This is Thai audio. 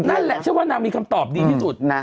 นั่นแหละเชื่อว่านางมีคำตอบดีที่สุด